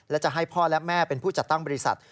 และจะให้พ่อและแม่เป็นผู้จัดตั้งบริษัท